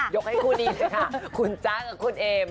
ให้คู่นี้สิค่ะคุณจ๊ะกับคุณเอม